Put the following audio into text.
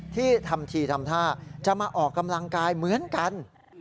ที่ทำทีทำท่าจะมาออกกำลังกายเหมือนกัน